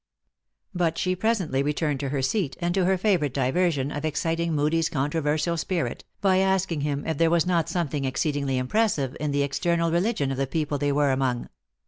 But she presently returned to her seat, and to her favorite diversion of exciting Hoodie s controversial spirit, by asking him if there was not something ex ceedingly impressive in the external religion of the people they were among